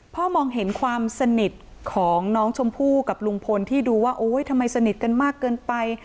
มองเห็นความสนิทของน้องชมพู่กับลุงพลที่ดูว่าโอ๊ยทำไมสนิทกันมากเกินไป